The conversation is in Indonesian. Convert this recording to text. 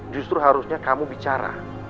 justru harusnya kamu bicara